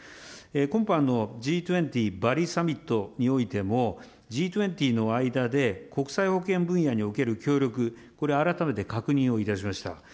今般のＧ２０・バリサミットのＧ２０の間で国際保健分野における協力、これ、改めて確認をいたしました。